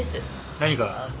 何か？